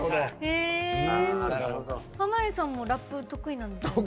濱家さんもラップ、得意なんですよね？